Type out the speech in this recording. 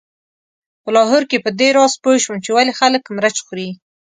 په لاهور کې په دې راز پوی شوم چې ولې خلک مرچ خوري.